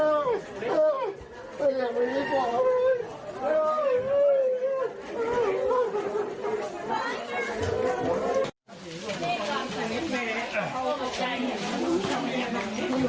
แอบตัวใหญ่รักษาตาพลวงโอเคโอ้โหสู้สุขตัวใหญ่